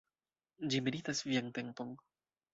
Ĝi meritas vian tempon.